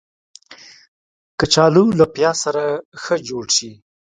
کچالو له پیاز سره ښه جوړ شي